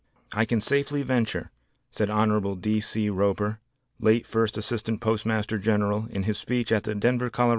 "I can safely venture," said Hon. D. C. Roper, late First Assistant Postmaster General in his speech at the Denver, Colo.